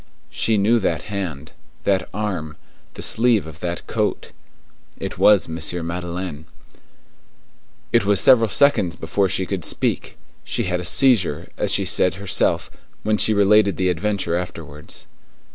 She knew that hand, that arm, the sleeve of that coat. It was M. Madeleine. It was several seconds before she could speak; she had a seizure, as she said herself, when she related the adventure afterwards.